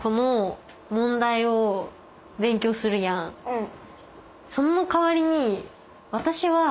うん。